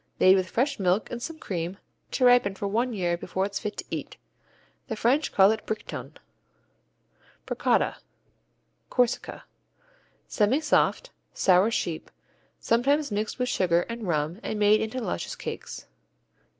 Made with fresh milk and some cream, to ripen for one year before "it's fit to eat." The French call it Briqueton. Bricotta Corsica Semisoft, sour sheep, sometimes mixed with sugar and rum and made into small luscious cakes.